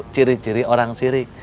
ciri ciri orang sirik